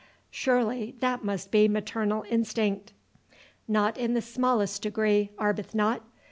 Surely that must be maternal instinct?" "Not in the smallest degree, Arbuthnot.